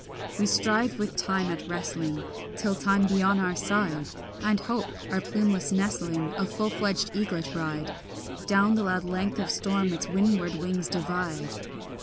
We strive with time at wrestling Till time be on our side And hope, our plumeless nestling, A full fledged eaglet ride Down the loud length of storm its windward wings divide.